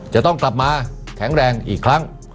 จะต้องกลับมาแข็งแรงอีกครั้ง